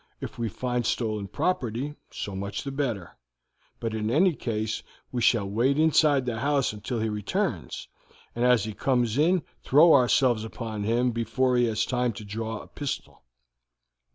If we find stolen property so much the better; but in any case we shall wait inside the house until he returns, and as he comes in throw ourselves upon him before he has time to draw a pistol.